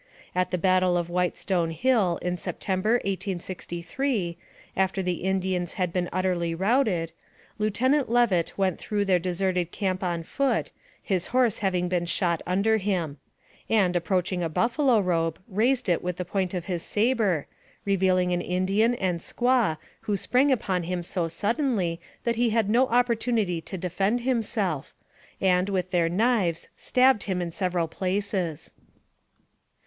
At the battle of Whitestone Hill, in Sep tember, 1863, after the Indians had been utterly routed, Lieutenant Leavitt went through their deserted camp on foot, his horse having been shot under him ; and, approaching a buffalo robe, raised it with the point of his saber, revealing an Indian and squaw, who sprang upon him so suddenly that he had no opportunity to defend himself, and, with their knives, stabbed him in several places.